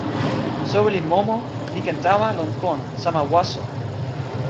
soweli Momo li ken tawa lon kon sama waso.